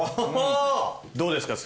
どうですか？